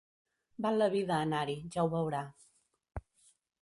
Val la vida anar-hi, ja ho veurà.